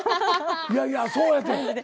いやいやそうやて。